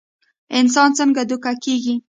انسان څنګ دوکه کيږي